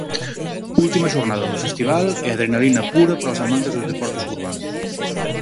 Última xornada do festival e adrenalina pura para os amantes dos deportes urbanos.